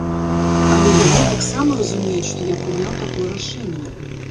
Але яны таксама разумеюць, што я прыняў такое рашэнне.